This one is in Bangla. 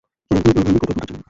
আমি শুধু তার সাথে কথা বলতে চাই।